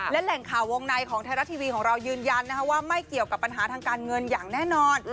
และแหล่งข่าววงในของไทยรัฐทีวีของเรายืนยันว่าไม่เกี่ยวกับปัญหาทางการเงินอย่างแน่นอน